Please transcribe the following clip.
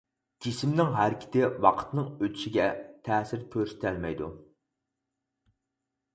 جىسىمنىڭ ھەرىكىتى ۋاقىتنىڭ ئۆتۈشىگە تەسىر كۆرسىتەلمەيدۇ.